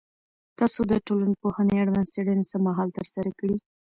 تاسو د ټولنپوهنې اړوند څېړنې څه مهال ترسره کړي؟